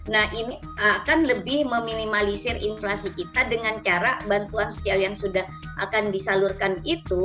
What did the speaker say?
nah ini akan lebih meminimalisir inflasi kita dengan cara bantuan sosial yang sudah akan disalurkan itu